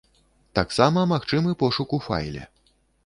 Таксама магчымы пошук у файле.